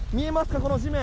この地面。